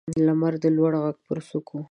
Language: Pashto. لمر د لوړ غر پر څوکو